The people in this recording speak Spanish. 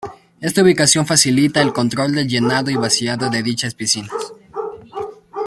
Esta ubicación facilita el control del llenado y vaciado de dichas piscina.